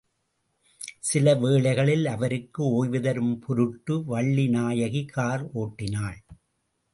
சில வேளைகளில் அவருக்கு ஓய்வு தரும் பொருட்டு வள்ளிநாயகி கார் ஓட்டினாள்.